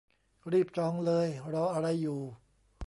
รีบจองเลยรออะไรอยู่